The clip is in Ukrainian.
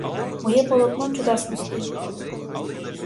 Моє полотно чудесно стоїть.